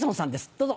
どうぞ。